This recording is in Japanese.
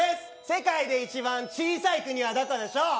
世界で一番小さい国はどこでしょう？